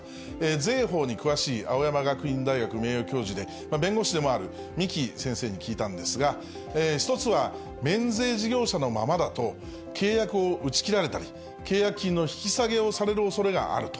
税法に詳しい青山学院大学名誉教授で、弁護士でもある三木先生に聞いたんですが、１つは、免税事業者のままだと、契約を打ち切られたり、契約金の引き下げをされるおそれがあると。